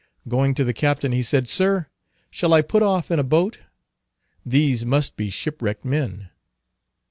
Going to the captain he said, "Sir, shall I put off in a boat? These must be shipwrecked men."